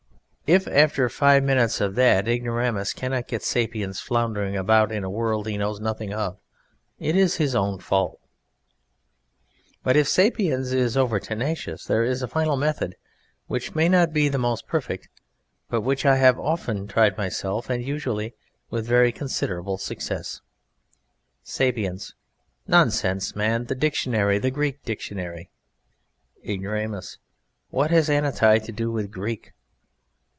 If, after five minutes of that, Ignoramus cannot get Sapiens floundering about in a world he knows nothing of, it is his own fault. But if Sapiens is over tenacious there is a final method which may not be the most perfect, but which I have often tried myself, and usually with very considerable success: SAPIENS. Nonsense, man. The Dictionary. The Greek dictionary. IGNORAMUS. What has Ananti to do with Greek?